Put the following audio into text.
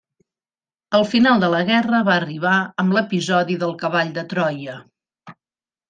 El final de la guerra va arribar amb l'episodi del cavall de Troia.